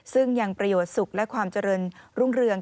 ซึ่งยังประโยชน์สุขและความเจริญรุ่งเรือง